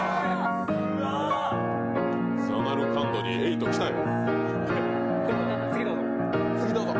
「ザナルカンド」にエイト来たよ。